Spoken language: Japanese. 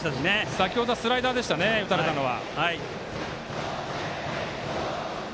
先ほどはスライダーでした打たれたのは。